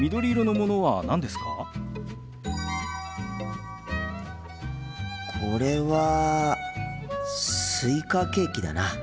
心の声これはスイカケーキだな。